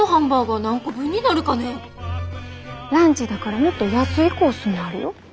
ランチだからもっと安いコースもあるよ。